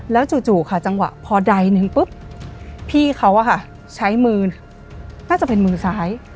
แล้วจู่ค่ะจังหวะพอใดหนึ่งปุ๊บพี่เขาใช้มือน่าจะเป็นมือซ้าย